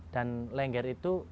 dan lengger itu